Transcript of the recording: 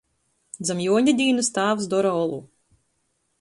Zam Juoņa dīnys tāvs dora olu.